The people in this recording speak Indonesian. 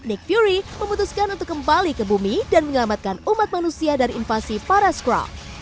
nick fury memutuskan untuk kembali ke bumi dan menyelamatkan umat manusia dari invasi para scrum